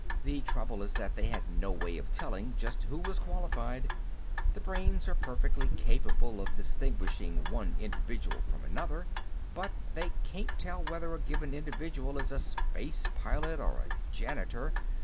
The trouble is that they had no way of telling just who was qualified. The brains are perfectly capable of distinguishing one individual from another, but they can't tell whether a given individual is a space pilot or a janitor.